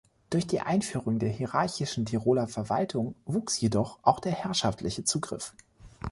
Durch die Einführung der hierarchischen Tiroler Verwaltung wuchs jedoch auch der herrschaftliche Zugriff.